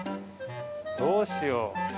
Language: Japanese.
どうしよう。